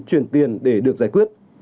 chuyển tiền để được giải quyết